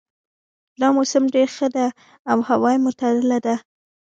دا موسم ډېر ښه ده او هوا معتدله ده